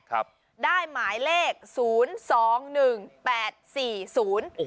ครับได้หมายเลขศูนย์สองหนึ่งแปดสี่ศูนย์โอ้โห